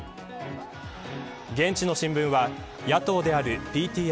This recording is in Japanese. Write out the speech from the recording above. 現地の新聞は野党であるＰＴＩ